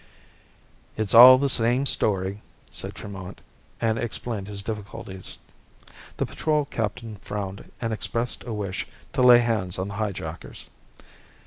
"It's all the same story," said Tremont, and explained his difficulties. The patrol captain frowned and expressed a wish to lay hands on the highjackers.